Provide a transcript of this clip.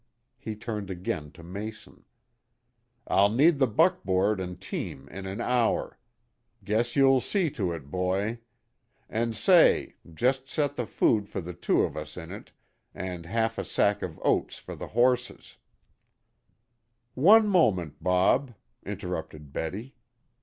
He turned again to Mason. "I'll need the buckboard and team in an hour. Guess you'll see to it, boy. An' say, just set food for the two of us in it, and half a sack of oats for the horses " "One moment, Bob," interrupted Betty.